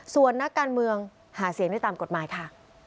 ส่วนนักการเมืองหาเสียงได้ตามกฎหมายค่ะ